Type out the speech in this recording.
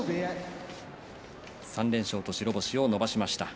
３連勝と白星を伸ばしました。